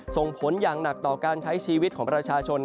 ส่งผลอย่างหนักต่อการใช้ชีวิตของประชาชน